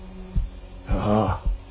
ああ。